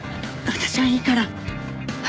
私はいいから早く。